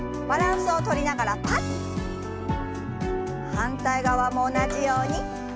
反対側も同じように。